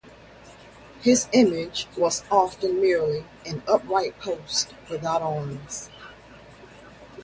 His image was often merely an upright post without arms.